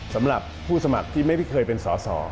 สำหรับผู้สมัครที่ไม่เคยเป็นสอสอ